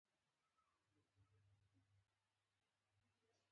خټکی هر عمر خوړلی شي.